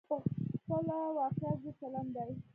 دا په خپله واقعیت ضد چلن دی.